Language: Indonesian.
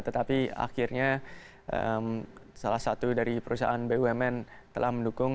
tetapi akhirnya salah satu dari perusahaan bumn telah mendukung